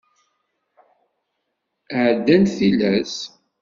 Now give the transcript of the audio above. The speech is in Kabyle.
Ɛeddant tilas.